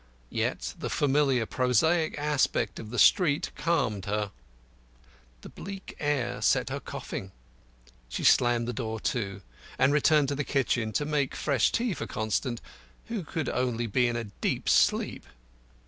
Yet the familiar, prosaic aspect of the street calmed her. The bleak air set her coughing; she slammed the door to, and returned to the kitchen to make fresh tea for Constant, who could only be in a deep sleep.